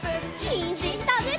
にんじんたべるよ！